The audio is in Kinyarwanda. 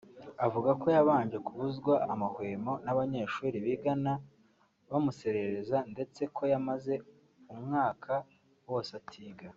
avuga ko yabanje kubuzwa amahwemo n’abanyeshuri biganaga bamuserereza ndetse ko yamaze umwaka wose atiga